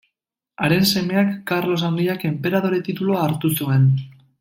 Haren semeak, Karlos Handiak, enperadore titulua hartu zuen.